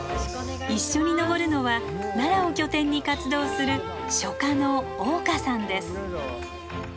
一緒に登るのは奈良を拠点に活動する書家の香さんです。